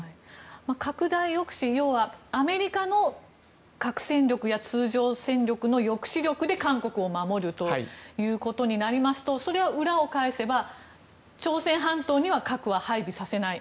拡大抑止、要はアメリカの核戦力や通常戦力の抑止力で韓国を守るということになりますとそれは裏を返せば朝鮮半島には核は配備させない。